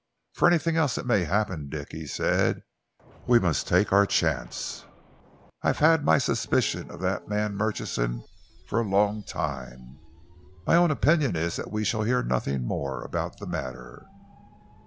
"'For anything else that may happen, Dick,' he said, 'we must take our chance. I have had my suspicions of that man Murchison for a long time. My own opinion is that we shall hear nothing more about the matter.'"